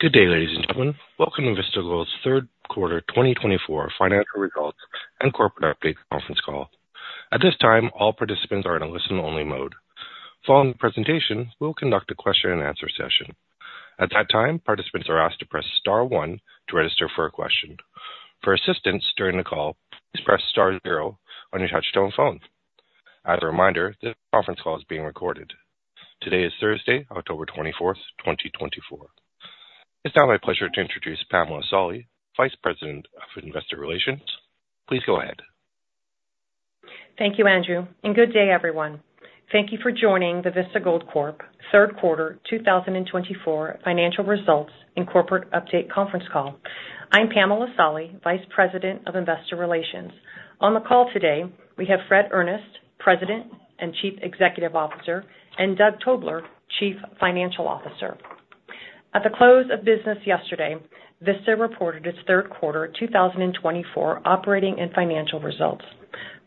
Good day, ladies and gentlemen. Welcome to Vista Gold's third quarter twenty twenty-four financial results and corporate update conference call. At this time, all participants are in a listen-only mode. Following the presentation, we'll conduct a question-and-answer session. At that time, participants are asked to press star one to register for a question. For assistance during the call, please press star zero on your touchtone phone. As a reminder, this conference call is being recorded. Today is Thursday, October twenty-fourth, twenty twenty-four. It's now my pleasure to introduce Pamela Solly, Vice President of Investor Relations. Please go ahead. Thank you, Andrew, and good day, everyone. Thank you for joining the Vista Gold Corp third quarter two thousand and twenty-four financial results and corporate update conference call. I'm Pamela Solly, Vice President of Investor Relations. On the call today, we have Fred Ernest, President and Chief Executive Officer, and Doug Tobler, Chief Financial Officer. At the close of business yesterday, Vista reported its third quarter two thousand and twenty-four operating and financial results.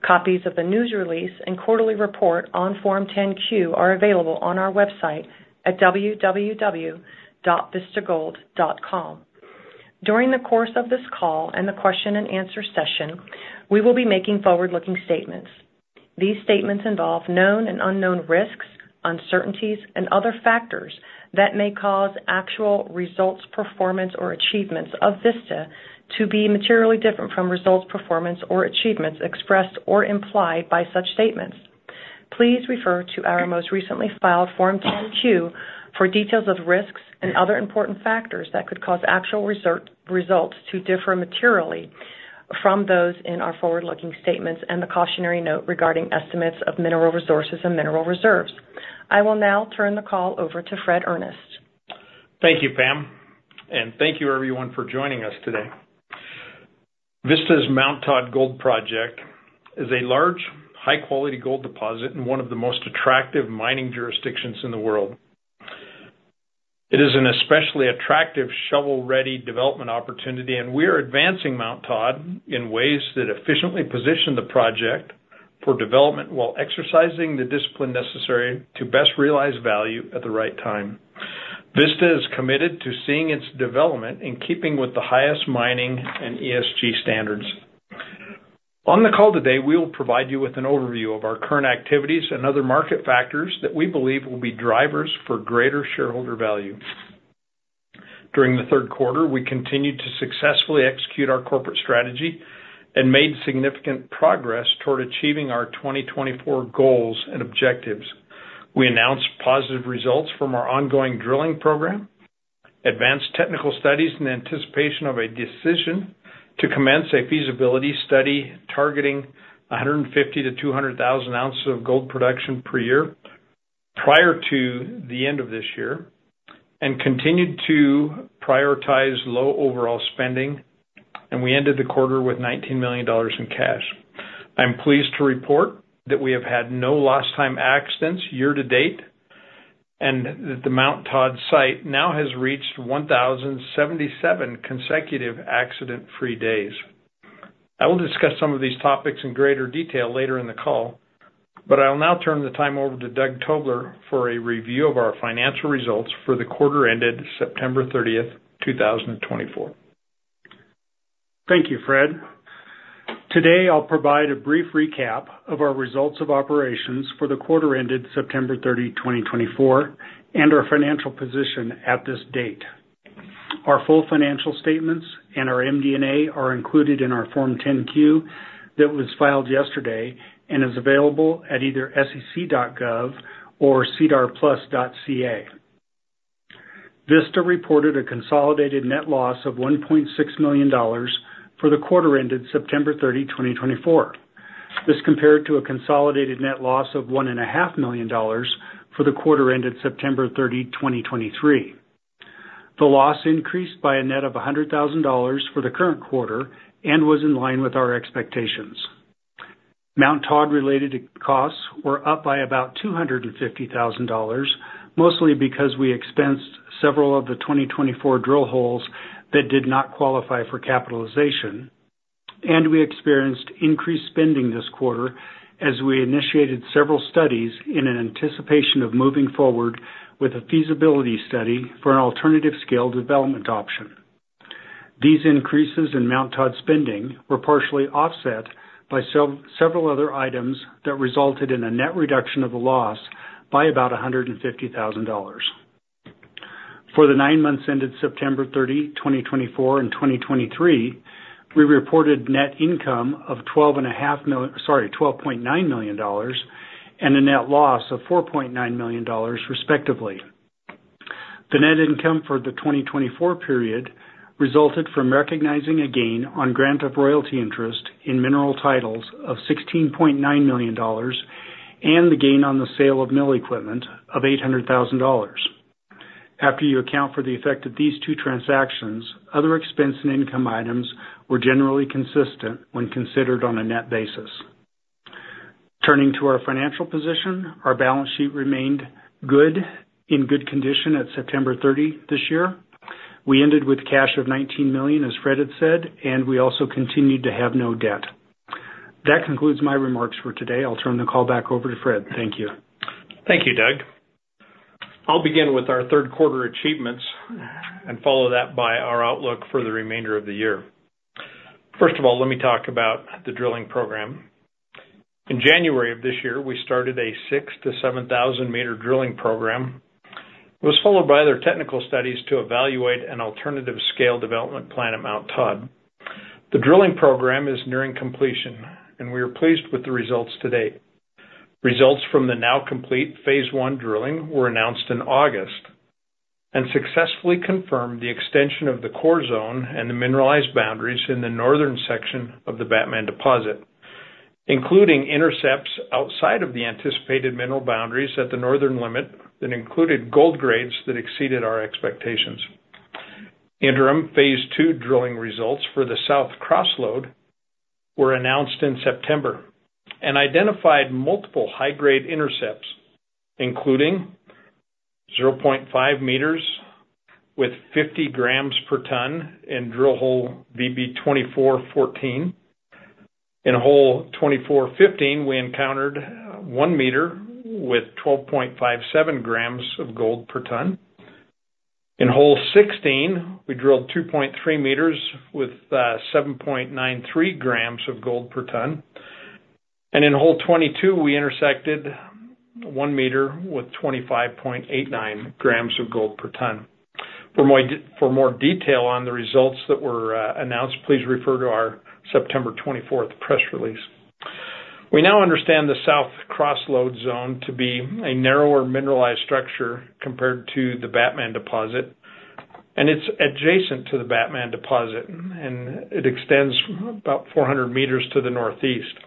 Copies of the news release and quarterly report on Form 10-Q are available on our website at www.vistagold.com. During the course of this call and the question-and-answer session, we will be making forward-looking statements. These statements involve known and unknown risks, uncertainties, and other factors that may cause actual results, performance, or achievements of Vista to be materially different from results, performance, or achievements expressed or implied by such statements. Please refer to our most recently filed Form 10-Q for details of risks and other important factors that could cause actual results to differ materially from those in our forward-looking statements and the cautionary note regarding estimates of mineral resources and mineral reserves. I will now turn the call over to Fred Earnest. Thank you, Pam, and thank you, everyone, for joining us today. Vista's Mount Todd Gold Project is a large, high-quality gold deposit in one of the most attractive mining jurisdictions in the world. It is an especially attractive, shovel-ready development opportunity, and we are advancing Mount Todd in ways that efficiently position the project for development while exercising the discipline necessary to best realize value at the right time. Vista is committed to seeing its development in keeping with the highest mining and ESG standards. On the call today, we will provide you with an overview of our current activities and other market factors that we believe will be drivers for greater shareholder value. During the third quarter, we continued to successfully execute our corporate strategy and made significant progress toward achieving our 2024 goals and objectives. We announced positive results from our ongoing drilling program, advanced technical studies in anticipation of a decision to commence a feasibility study targeting 150-200 thousand ounces of gold production per year prior to the end of this year, and continued to prioritize low overall spending, and we ended the quarter with $19 million in cash. I'm pleased to report that we have had no lost time accidents year to date, and that the Mount Todd site now has reached 1,077 consecutive accident-free days. I will discuss some of these topics in greater detail later in the call, but I will now turn the time over to Doug Tobler for a review of our financial results for the quarter ended September thirtieth, two thousand and twenty-four. Thank you, Fred. Today, I'll provide a brief recap of our results of operations for the quarter ended September thirty, 2024, and our financial position at this date. Our full financial statements and our MD&A are included in our Form 10-Q that was filed yesterday and is available at either sec.gov or sedarplus.ca. Vista reported a consolidated net loss of $1.6 million for the quarter ended September thirty, 2024. This compared to a consolidated net loss of $1.5 million for the quarter ended September thirty, 2023. The loss increased by a net of $100,000 for the current quarter and was in line with our expectations. Mount Todd-related costs were up by about $250,000, mostly because we expensed several of the 2024 drill holes that did not qualify for capitalization, and we experienced increased spending this quarter as we initiated several studies in anticipation of moving forward with a feasibility study for an alternative scale development option. These increases in Mount Todd spending were partially offset by several other items that resulted in a net reduction of the loss by about $150,000. For the nine months ended September 30, 2024 and 2023, we reported net income of twelve and a half million... Sorry, $12.9 million, and a net loss of $4.9 million, respectively. The net income for the 2024 period resulted from recognizing a gain on grant of royalty interest in mineral titles of $16.9 million and the gain on the sale of mill equipment of $800,000. After you account for the effect of these two transactions, other expense and income items were generally consistent when considered on a net basis. Turning to our financial position, our balance sheet remained good, in good condition at September 30 this year. We ended with cash of $19 million, as Fred had said, and we also continued to have no debt. That concludes my remarks for today. I'll turn the call back over to Fred. Thank you. Thank you, Doug. I'll begin with our third quarter achievements and follow that by our outlook for the remainder of the year. First of all, let me talk about the drilling program. In January of this year, we started a six to seven thousand meter drilling program. It was followed by other technical studies to evaluate an alternative scale development plan at Mount Todd. The drilling program is nearing completion, and we are pleased with the results to date. Results from the now complete phase one drilling were announced in August, and successfully confirmed the extension of the core zone and the mineralized boundaries in the northern section of the Batman deposit, including intercepts outside of the anticipated mineral boundaries at the northern limit, that included gold grades that exceeded our expectations. Interim phase two drilling results for the South Cross Lode were announced in September and identified multiple high-grade intercepts, including 0.5 meters with 50 grams per ton in drill hole VB-2414. In hole twenty-four fifteen, we encountered one meter with 12.57 grams of gold per ton. In hole sixteen, we drilled 2.3 meters with 7.93 grams of gold per ton, and in hole twenty-two, we intersected one meter with 25.89 grams of gold per ton. For more detail on the results that were announced, please refer to our September twenty-fourth press release. We now understand the South Cross Lode zone to be a narrower mineralized structure compared to the Batman deposit, and it's adjacent to the Batman deposit, and it extends about 400 meters to the northeast.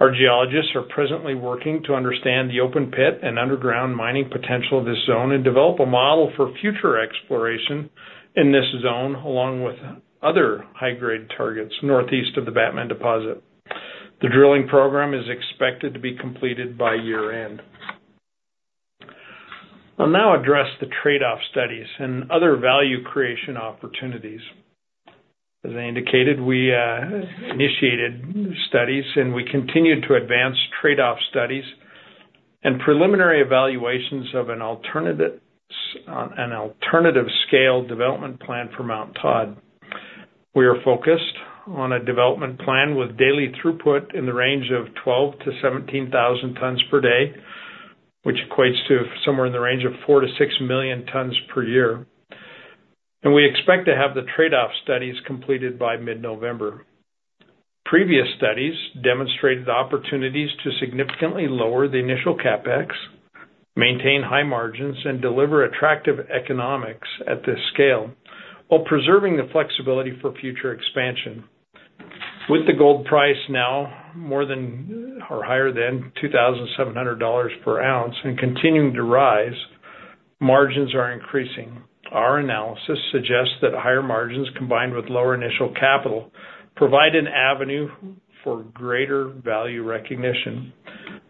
Our geologists are presently working to understand the open pit and underground mining potential of this zone and develop a model for future exploration in this zone, along with other high-grade targets northeast of the Batman deposit. The drilling program is expected to be completed by year-end. I'll now address the trade-off studies and other value creation opportunities. As I indicated, we initiated studies, and we continued to advance trade-off studies and preliminary evaluations of an alternative scale development plan for Mount Todd. We are focused on a development plan with daily throughput in the range of 12-17 thousand tons per day, which equates to somewhere in the range of 4-6 million tons per year, and we expect to have the trade-off studies completed by mid-November. Previous studies demonstrated opportunities to significantly lower the initial CapEx, maintain high margins, and deliver attractive economics at this scale, while preserving the flexibility for future expansion. With the gold price now more than, or higher than $2,700 per ounce and continuing to rise, margins are increasing. Our analysis suggests that higher margins, combined with lower initial capital, provide an avenue for greater value recognition.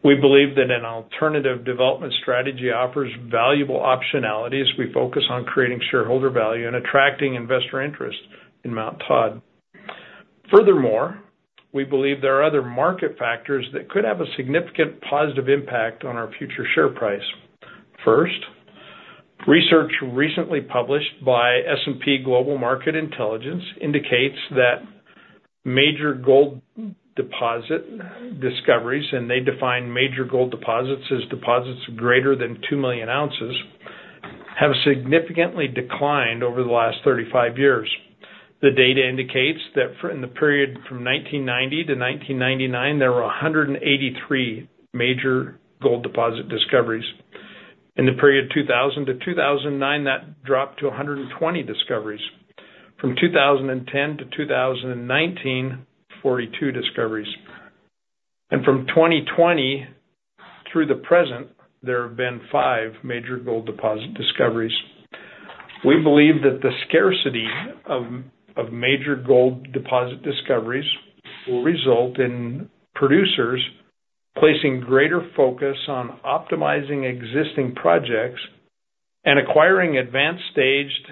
We believe that an alternative development strategy offers valuable optionality as we focus on creating shareholder value and attracting investor interest in Mount Todd. Furthermore, we believe there are other market factors that could have a significant positive impact on our future share price. First, research recently published by S&P Global Market Intelligence indicates that major gold deposit discoveries, and they define major gold deposits as deposits greater than 2 million ounces, have significantly declined over the last 35 years. The data indicates that for in the period from nineteen ninety to nineteen ninety-nine, there were 183 major gold deposit discoveries. In the period two thousand to two thousand and nine, that dropped to 120 discoveries. From two thousand and ten to two thousand and nineteen, 42 discoveries. From twenty twenty through the present, there have been 5 major gold deposit discoveries. We believe that the scarcity of major gold deposit discoveries will result in producers placing greater focus on optimizing existing projects and acquiring advanced staged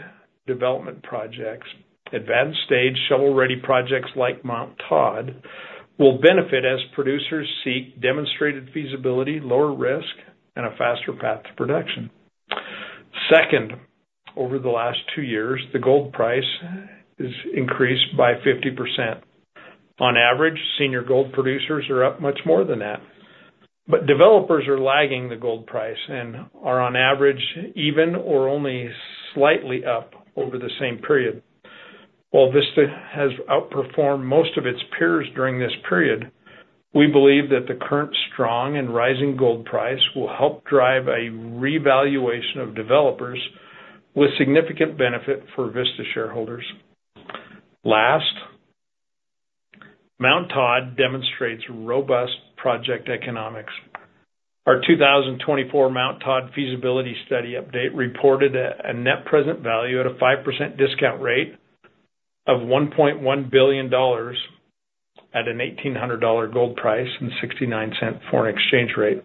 development projects. Advanced stage shovel-ready projects like Mount Todd will benefit as producers seek demonstrated feasibility, lower risk, and a faster path to production. Second, over the last two years, the gold price has increased by 50%. On average, senior gold producers are up much more than that, but developers are lagging the gold price and are, on average, even or only slightly up over the same period. While Vista has outperformed most of its peers during this period, we believe that the current strong and rising gold price will help drive a revaluation of developers with significant benefit for Vista shareholders. Last, Mount Todd demonstrates robust project economics. Our 2024 Mount Todd feasibility study update reported a Net Present Value at a 5% discount rate of $1.1 billion at an $1,800 gold price and 0.69 foreign exchange rate.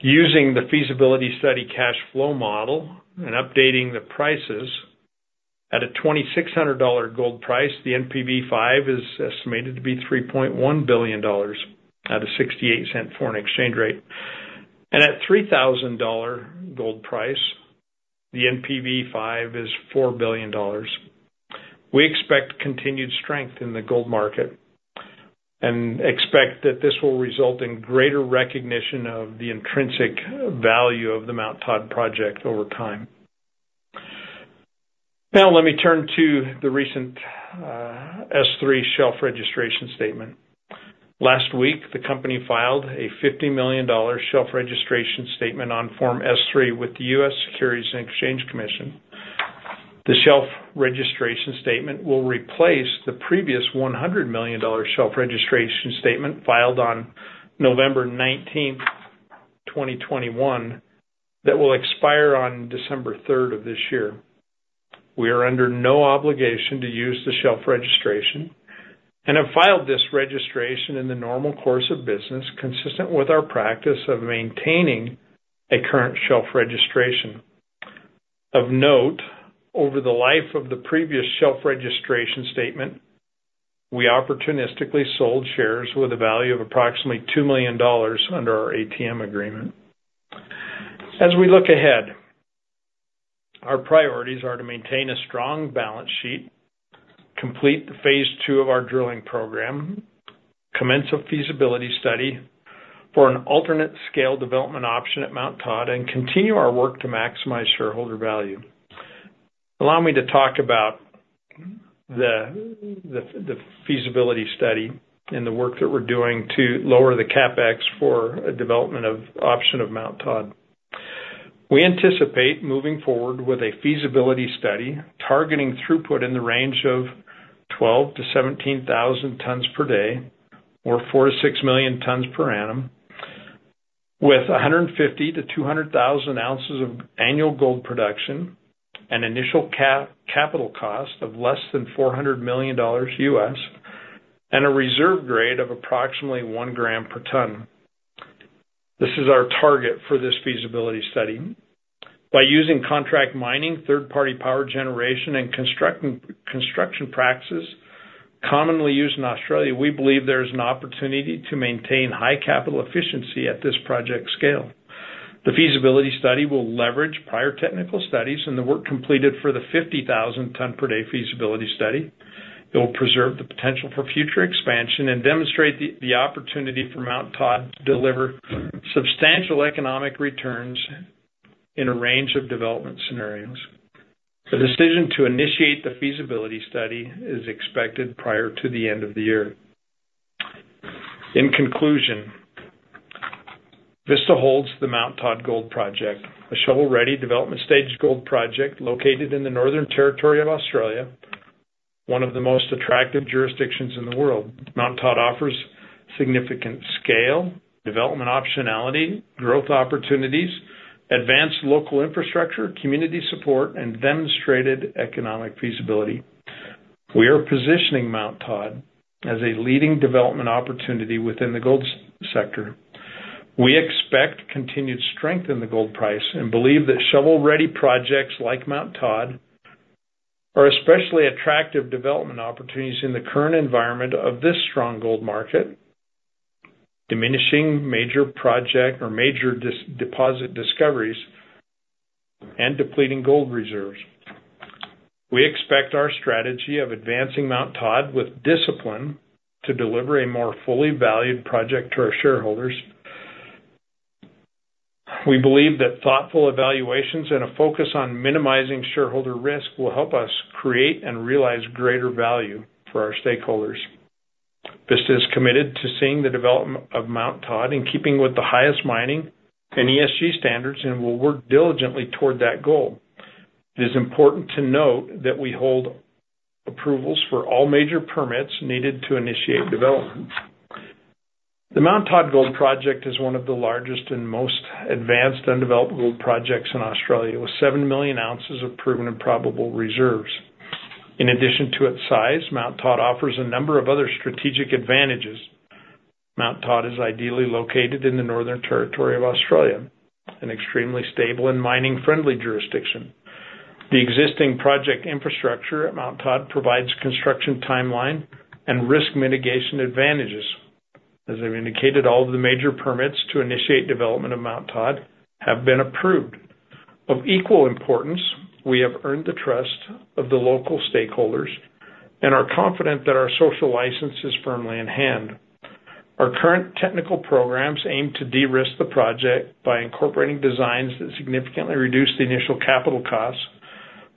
Using the feasibility study cash flow model and updating the prices, at a $2,600 gold price, the NPV5 is estimated to be $3.1 billion at a 0.68 foreign exchange rate. At $3,000 gold price, the NPV5 is $4 billion. We expect continued strength in the gold market and expect that this will result in greater recognition of the intrinsic value of the Mount Todd project over time. Now, let me turn to the recent S-3 shelf registration statement. Last week, the company filed a $50 million shelf registration statement on Form S-3 with the U.S. Securities and Exchange Commission. The shelf registration statement will replace the previous $100 million shelf registration statement filed on November nineteenth, 2021, that will expire on December third of this year. We are under no obligation to use the shelf registration and have filed this registration in the normal course of business, consistent with our practice of maintaining a current shelf registration. Of note, over the life of the previous shelf registration statement, we opportunistically sold shares with a value of approximately $2 million under our ATM agreement. As we look ahead, our priorities are to maintain a strong balance sheet, complete phase two of our drilling program, commence a feasibility study for an alternate scale development option at Mount Todd, and continue our work to maximize shareholder value. Allow me to talk about the feasibility study and the work that we're doing to lower the CapEx for a development option for Mount Todd. We anticipate moving forward with a feasibility study, targeting throughput in the range of 12-17 thousand tons per day, or 4-6 million tons per annum, with 150-200 thousand ounces of annual gold production, an initial capital cost of less than $400 million, and a reserve grade of approximately one gram per ton. This is our target for this feasibility study. By using contract mining, third-party power generation, and construction practices commonly used in Australia, we believe there is an opportunity to maintain high capital efficiency at this project scale. The feasibility study will leverage prior technical studies and the work completed for the 50,000 ton per day feasibility study. It will preserve the potential for future expansion and demonstrate the opportunity for Mount Todd to deliver substantial economic returns in a range of development scenarios. The decision to initiate the feasibility study is expected prior to the end of the year. In conclusion, Vista holds the Mount Todd Gold Project, a shovel-ready development stage gold project located in the Northern Territory of Australia, one of the most attractive jurisdictions in the world. Mount Todd offers significant scale, development optionality, growth opportunities, advanced local infrastructure, community support, and demonstrated economic feasibility. We are positioning Mount Todd as a leading development opportunity within the gold sector. We expect continued strength in the gold price and believe that shovel-ready projects like Mount Todd are especially attractive development opportunities in the current environment of this strong gold market, diminishing major deposit discoveries, and depleting gold reserves. We expect our strategy of advancing Mount Todd with discipline to deliver a more fully valued project to our shareholders. We believe that thoughtful evaluations and a focus on minimizing shareholder risk will help us create and realize greater value for our stakeholders. Vista is committed to seeing the development of Mount Todd in keeping with the highest mining and ESG standards, and will work diligently toward that goal. It is important to note that we hold approvals for all major permits needed to initiate development. The Mount Todd Gold Project is one of the largest and most advanced undeveloped gold projects in Australia, with seven million ounces of proven and probable reserves. In addition to its size, Mount Todd offers a number of other strategic advantages. Mount Todd is ideally located in the Northern Territory of Australia, an extremely stable and mining-friendly jurisdiction. The existing project infrastructure at Mount Todd provides construction timeline and risk mitigation advantages. As I've indicated, all of the major permits to initiate development of Mount Todd have been approved. Of equal importance, we have earned the trust of the local stakeholders and are confident that our social license is firmly in hand. Our current technical programs aim to de-risk the project by incorporating designs that significantly reduce the initial capital costs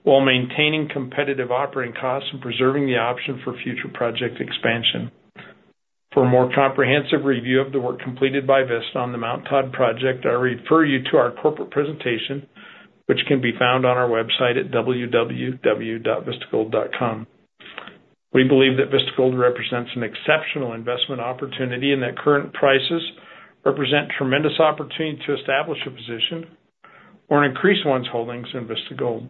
while maintaining competitive operating costs and preserving the option for future project expansion. For a more comprehensive review of the work completed by Vista on the Mount Todd project, I refer you to our corporate presentation, which can be found on our website at www.vistagold.com. We believe that Vista Gold represents an exceptional investment opportunity, and that current prices represent tremendous opportunity to establish a position or increase one's holdings in Vista Gold.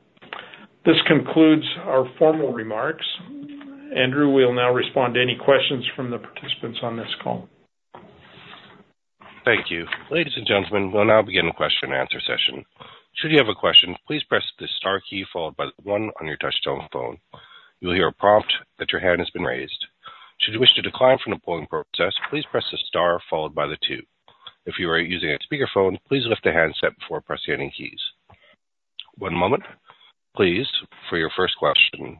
This concludes our formal remarks. Andrew will now respond to any questions from the participants on this call. Thank you. Ladies and gentlemen, we'll now begin the question and answer session. Should you have a question, please press the star key, followed by one on your touchtone phone. You will hear a prompt that your hand has been raised. Should you wish to decline from the polling process, please press the star followed by the two. If you are using a speakerphone, please lift the handset before pressing any keys. One moment, please, for your first question.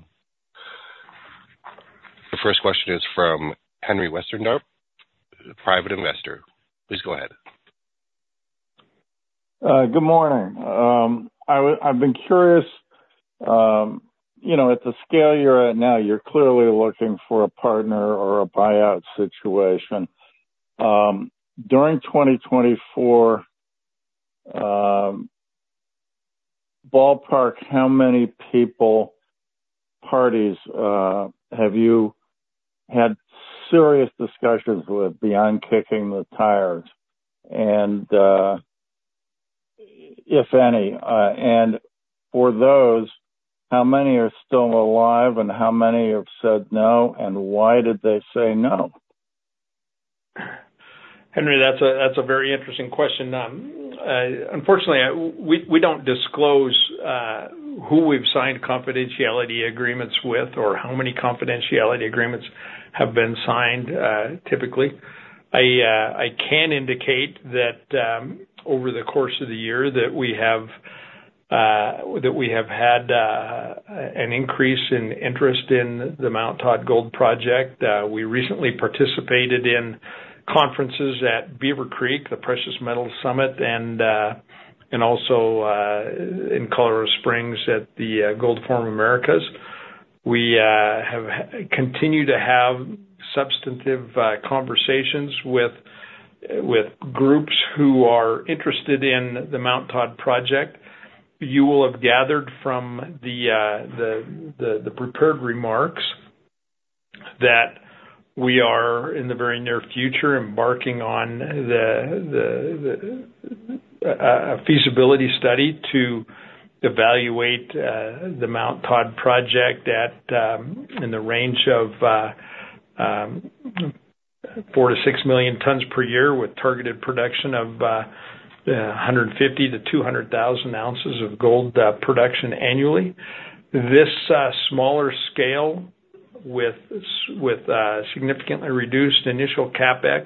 The first question is from Henry Westendarp, private investor. Please go ahead. Good morning. I've been curious, you know, at the scale you're at now, you're clearly looking for a partner or a buyout situation. During twenty twenty-four, ballpark, how many people, parties, have you had serious discussions with beyond kicking the tires? And, if any, and for those, how many are still alive, and how many have said no, and why did they say no? Henry, that's a very interesting question. Unfortunately, we don't disclose who we've signed confidentiality agreements with or how many confidentiality agreements have been signed, typically. I can indicate that over the course of the year, we have had an increase in interest in the Mount Todd Gold Project. We recently participated in conferences at Beaver Creek, the Precious Metals Summit, and also in Colorado Springs at the Gold Forum Americas. We continue to have substantive conversations with groups who are interested in the Mount Todd Gold Project. You will have gathered from the prepared remarks that we are, in the very near future, embarking on a feasibility study to evaluate the Mount Todd project at, in the range of 4-6 million tons per year, with targeted production of 150-200 thousand ounces of gold production annually. This smaller scale with significantly reduced initial CapEx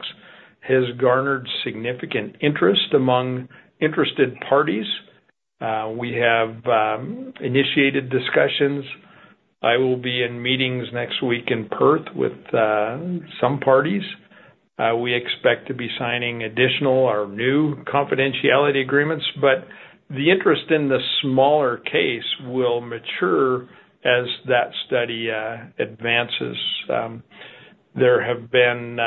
has garnered significant interest among interested parties. We have initiated discussions. I will be in meetings next week in Perth with some parties. We expect to be signing additional or new confidentiality agreements, but the interest in the smaller case will mature as that study advances. There have been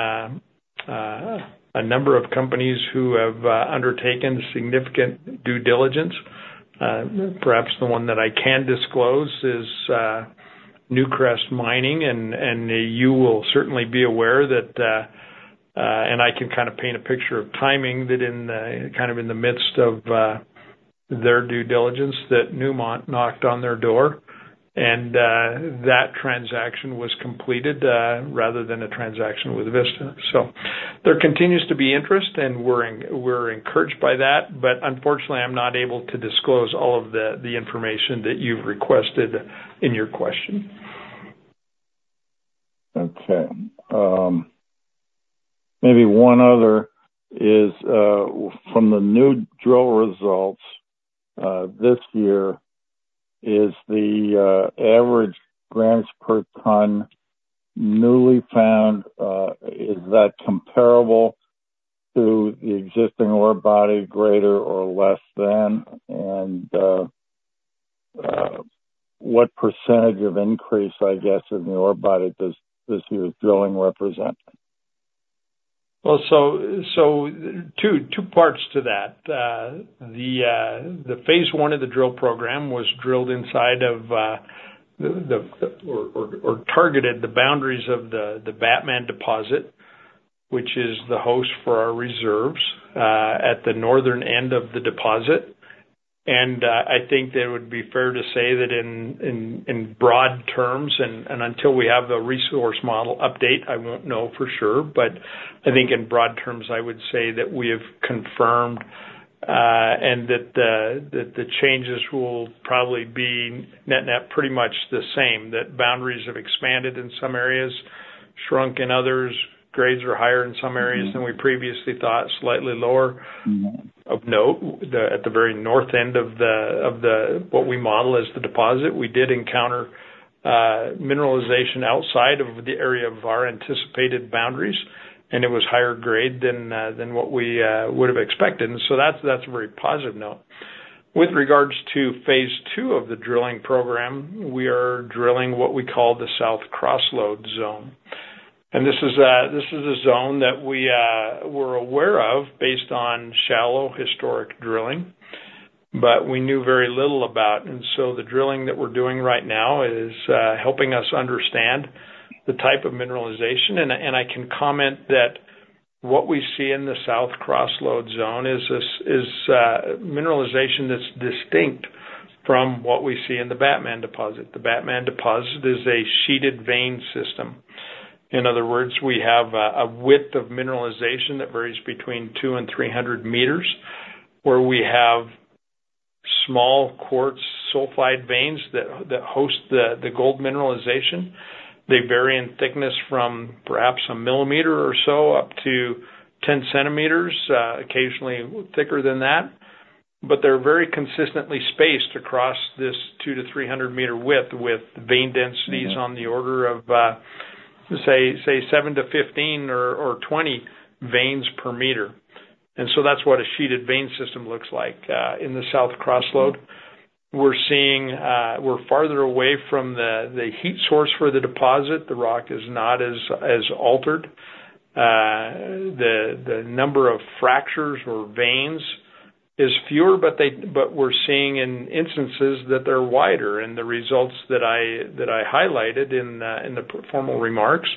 a number of companies who have undertaken significant due diligence. Perhaps the one that I can disclose is Newcrest Mining, and you will certainly be aware that and I can kind of paint a picture of timing, that in the kind of in the midst of their due diligence, that Newmont knocked on their door, and that transaction was completed rather than a transaction with Vista. So there continues to be interest, and we're encouraged by that, but unfortunately, I'm not able to disclose all of the information that you've requested in your question. Okay. Maybe one other is from the new drill results this year, is the average grams per ton newly found, is that comparable to the existing ore body, greater or less than? And what percentage of increase, I guess, in the ore body does this year's drilling represent? Two parts to that. The phase one of the drill program targeted the boundaries of the Batman deposit, which is the host for our reserves at the northern end of the deposit. I think that it would be fair to say that in broad terms, until we have the resource model update, I won't know for sure. I think in broad terms, I would say that we have confirmed that the changes will probably be net net pretty much the same, that boundaries have expanded in some areas, shrunk in others. Grades are higher in some areas than we previously thought, slightly lower. Of note, at the very north end of what we model as the deposit, we did encounter mineralization outside of the area of our anticipated boundaries, and it was higher grade than what we would have expected. That's a very positive note. With regards to phase two of the drilling program, we are drilling what we call the South Cross Lode zone. This is a zone that we were aware of based on shallow historic drilling, but we knew very little about. The drilling that we're doing right now is helping us understand the type of mineralization. I can comment that what we see in the South Cross Lode zone is mineralization that's distinct from what we see in the Batman deposit. The Batman deposit is a sheeted vein system. In other words, we have a width of mineralization that varies between two and three hundred meters, where we have small quartz sulfide veins that host the gold mineralization. They vary in thickness from perhaps a millimeter or so, up to 10 centimeters, occasionally thicker than that. But they're very consistently spaced across this two to three hundred meter width, with vein densities on the order of, say, seven to 15 or 20 veins per meter. And so that's what a sheeted vein system looks like. In the South Cross Lode, we're seeing we're farther away from the heat source for the deposit. The rock is not as altered. The number of fractures or veins is fewer, but we're seeing in instances that they're wider. And the results that I highlighted in the formal remarks,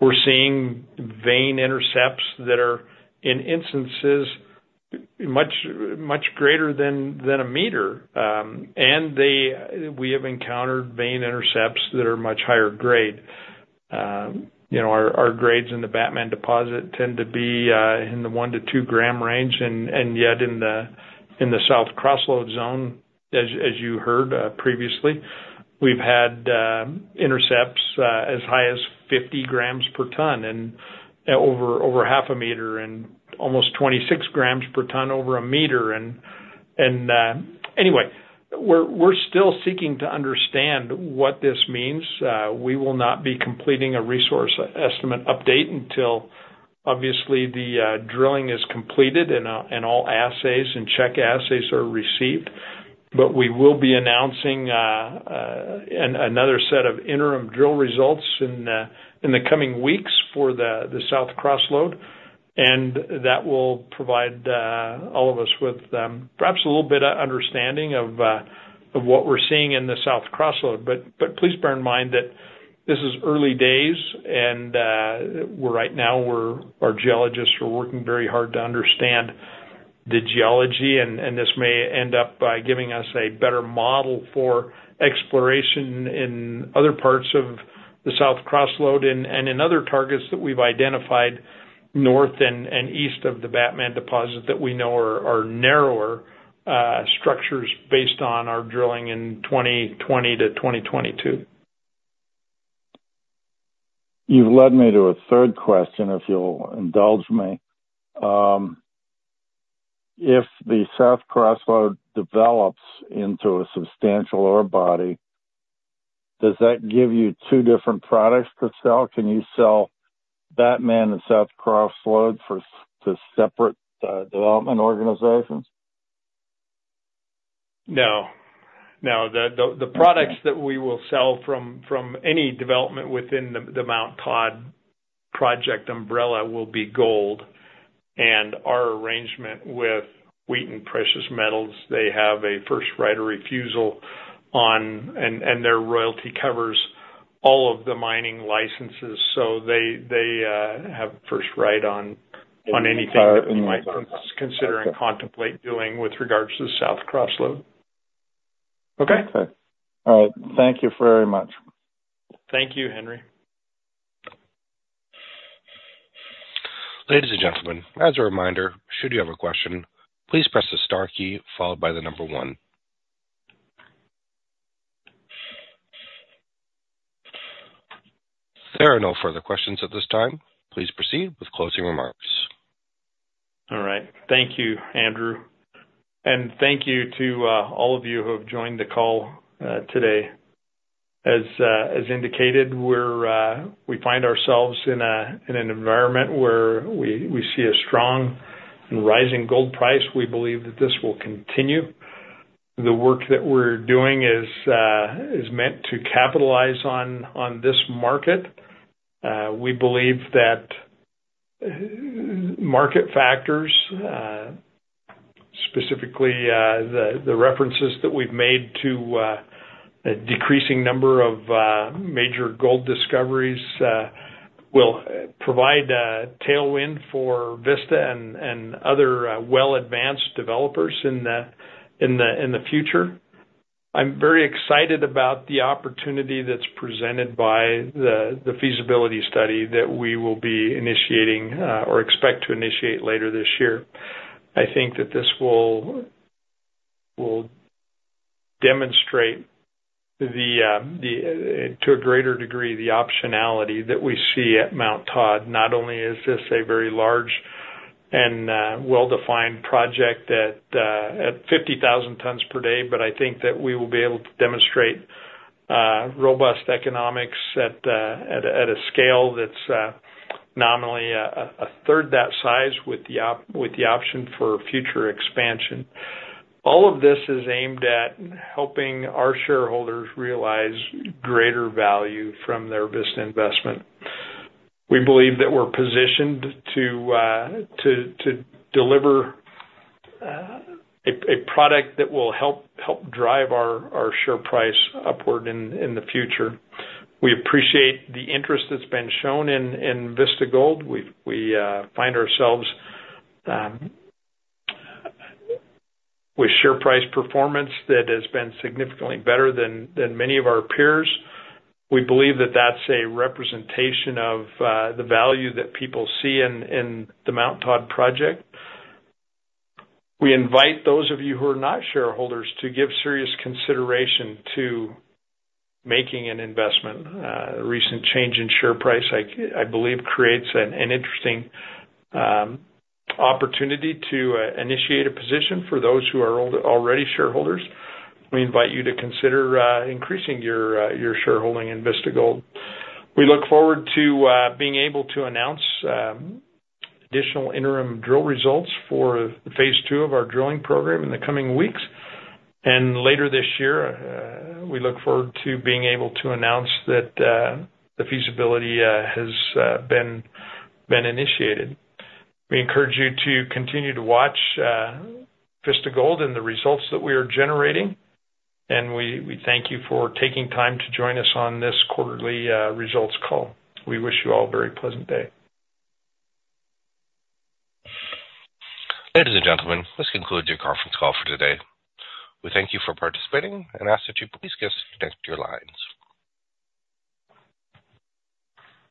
we're seeing vein intercepts that are, in instances, much greater than a meter. And we have encountered vein intercepts that are much higher grade. You know, our grades in the Batman deposit tend to be in the one to two gram range, and anyway, we're still seeking to understand what this means. We will not be completing a resource estimate update until, obviously, the drilling is completed and all assays and check assays are received. But we will be announcing another set of interim drill results in the coming weeks for the South Cross Lode, and that will provide all of us with perhaps a little bit of understanding of what we're seeing in the South Cross Lode. Please bear in mind that this is early days, and right now our geologists are working very hard to understand the geology, and this may end up by giving us a better model for exploration in other parts of the South Cross Lode and in other targets that we've identified north and east of the Batman deposit, that we know are narrower structures based on our drilling in 2020 to 2022. You've led me to a third question, if you'll indulge me. If the South Cross Lode develops into a substantial ore body, does that give you two different products to sell? Can you sell Batman and South Cross Lode for, to separate, development organizations? No. No, the products that we will sell from any development within the Mount Todd project umbrella will be gold. And our arrangement with Wheaton Precious Metals, they have a first right of refusal on... And their royalty covers all of the mining licenses, so they have first right on anything that we might consider and contemplate doing with regards to the South Cross Lode. Okay? Okay. All right. Thank you very much. Thank you, Henry. Ladies and gentlemen, as a reminder, should you have a question, please press the star key followed by the number one. There are no further questions at this time. Please proceed with closing remarks. All right. Thank you, Andrew, and thank you to all of you who have joined the call today. As indicated, we find ourselves in an environment where we see a strong and rising gold price. We believe that this will continue. The work that we're doing is meant to capitalize on this market. We believe that market factors, specifically the references that we've made to a decreasing number of major gold discoveries, will provide a tailwind for Vista and other well-advanced developers in the future. I'm very excited about the opportunity that's presented by the feasibility study that we will be initiating or expect to initiate later this year. I think that this will demonstrate to a greater degree the optionality that we see at Mount Todd. Not only is this a very large and well-defined project at fifty thousand tons per day, but I think that we will be able to demonstrate robust economics at a scale that's nominally a third that size, with the option for future expansion. All of this is aimed at helping our shareholders realize greater value from their Vista investment. We believe that we're positioned to deliver a product that will help drive our share price upward in the future. We appreciate the interest that's been shown in Vista Gold. We find ourselves with share price performance that has been significantly better than many of our peers. We believe that that's a representation of the value that people see in the Mount Todd project. We invite those of you who are not shareholders to give serious consideration to making an investment. Recent change in share price, I believe, creates an interesting opportunity to initiate a position. For those who are already shareholders, we invite you to consider increasing your shareholding in Vista Gold. We look forward to being able to announce additional interim drill results for phase two of our drilling program in the coming weeks. Later this year, we look forward to being able to announce that the feasibility has been initiated. We encourage you to continue to watch Vista Gold and the results that we are generating, and we thank you for taking time to join us on this quarterly results call. We wish you all a very pleasant day. Ladies and gentlemen, this concludes your conference call for today. We thank you for participating and ask that you please disconnect your lines.